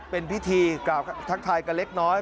เป็นพิธีกล่าวทักทายกันเล็กน้อย